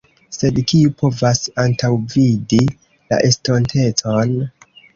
Sed kiu povas antaŭvidi la estontecon?